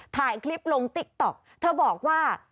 ถ่ายคลิปลงติ๊กต๊อกเธอบอกว่า